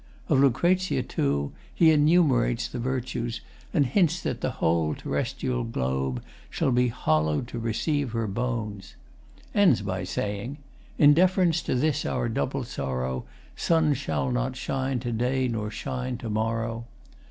Of LUC., too, he enumerates the virtues, and hints that the whole terrestrial globe shall be hollowed to receive her bones. Ends by saying: In deference to this our double sorrow | Sun shall not shine to day nor shine to morrow.